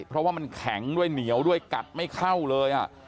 เพราะว่ามันแข็งด้วยเหนียวด้วยกัดไม่เข้าเลย